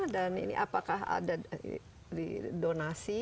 dan apakah ada di donasi